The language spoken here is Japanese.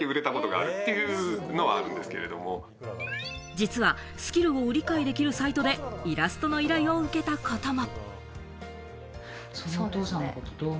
実はスキルを売り買いできるサイトでイラストの依頼を受けたことも。